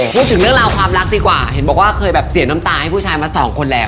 พูดถึงเรื่องราวความรักดีกว่าเห็นบอกว่าเคยแบบเสียน้ำตาให้ผู้ชายมาสองคนแล้ว